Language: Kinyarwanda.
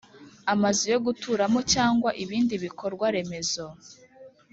amazu yo guturamo cyangwa ibindi bikorwa remezo,